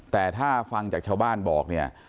แต่ถ้าฟังจากชาวบ้านบอกเนี่ย